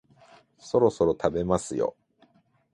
そろそろ食べますよ